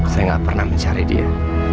saya nggak pernah mencari dia